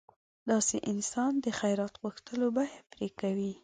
داسې انسان د خیرات غوښتلو بیه پرې کوي.